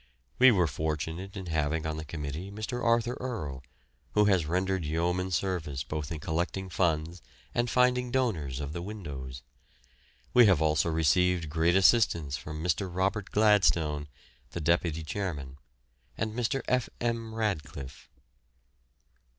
We were fortunate in having on the committee Mr. Arthur Earle, who has rendered yeoman service both in collecting funds and finding donors of the windows. We have also received great assistance from Mr. Robert Gladstone, the deputy chairman, and Mr. F. M. Radcliffe.